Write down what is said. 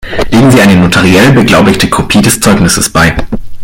Legen Sie eine notariell beglaubigte Kopie des Zeugnisses bei.